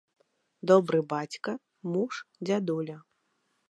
Добры бацька, муж, дзядуля.